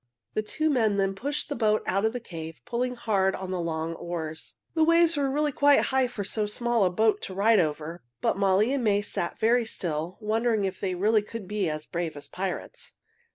The two men then pushed the boat out of the cave, pulling hard on the long oars. The waves were really quite high for so small a boat to ride over. But Molly and May sat very still, wondering if they really could be as brave as pirates.